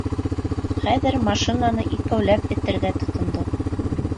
Хәҙер машинаны икәүләп әтергә тотондоҡ.